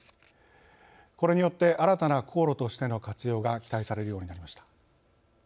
これによって新たな航路としての活用が期待されるようになりました。